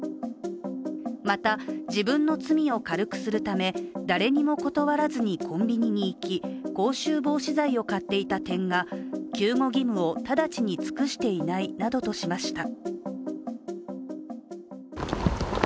また自分の罪を軽くするため誰にも断らずにコンビニに行き、口臭防止剤を買っていた点が救護義務を直ちに尽くしていないなどとしました。